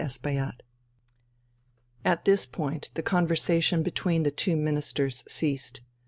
"I agree." At this point the conversation between the two Ministers ceased.